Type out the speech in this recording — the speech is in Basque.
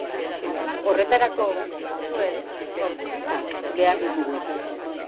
Horretarako zuen sorkuntzak behar ditugu.